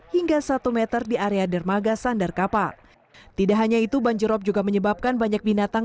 hingga satu meter di area dermaga sandar kapal tidak hanya itu banjirop juga menyebabkan banyak binatang